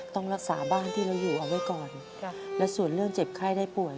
ต้องรักษาบ้านที่เราอยู่เอาไว้ก่อนและส่วนเรื่องเจ็บไข้ได้ป่วย